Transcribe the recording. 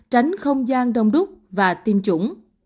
tránh không gian đông đúc và tiêm chủng